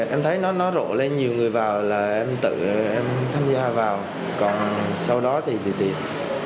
em thấy nó rộ lên nhiều người vào là em tự em tham gia vào còn sau đó thì bị tiện